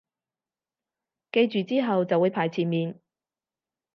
記住之後就會排前面